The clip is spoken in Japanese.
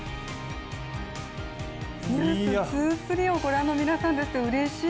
「ｎｅｗｓ２３」をご覧の皆さんですって、うれしい！